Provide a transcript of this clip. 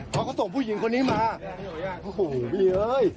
พอเขาส่งผู้หญิงคนนี้มาโอ้โหพี่เอ้ย